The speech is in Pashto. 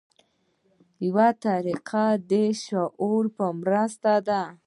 یوه طریقه د لاشعور په مرسته ده.